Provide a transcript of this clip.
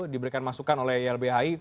diberikan masukan oleh lbhi